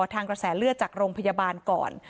กระแสเลือดจากโรงพยาบาลก่อน